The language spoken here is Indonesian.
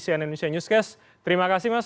cnn indonesia newscast terima kasih mas